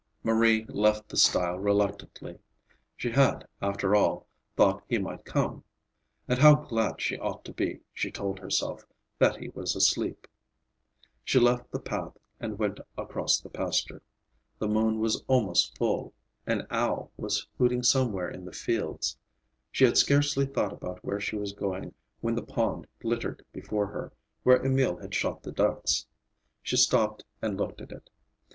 Marie left the stile reluctantly. She had, after all, thought he might come. And how glad she ought to be, she told herself, that he was asleep. She left the path and went across the pasture. The moon was almost full. An owl was hooting somewhere in the fields. She had scarcely thought about where she was going when the pond glittered before her, where Emil had shot the ducks. She stopped and looked at it.